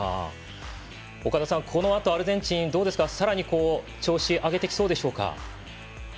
岡田さん、このあとアルゼンチンはどうですかさらに調子を上げてきそうでしょうか。